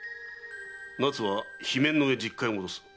奈津は罷免のうえ実家へ戻す。